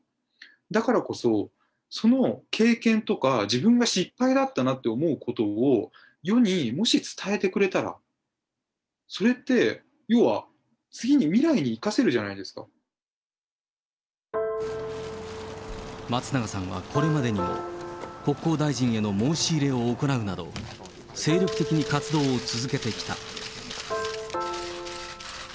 だからこそ、その経験とか、自分が失敗だったなと思うことを、世にもし伝えてくれたら、それって、要は次に、松永さんはこれまでにも、国交大臣への申し入れを行うなど、精力的に活動を続けてきた。